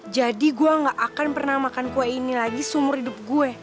jadi gue nggak akan pernah makan kue ini lagi seumur hidup gue